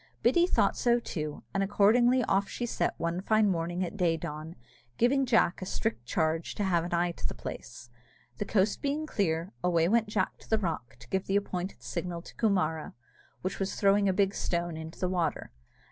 Biddy thought so too, and accordingly off she set one fine morning at day dawn, giving Jack a strict charge to have an eye to the place. The coast being clear, away went Jack to the rock to give the appointed signal to Coomara, which was throwing a big stone into the water.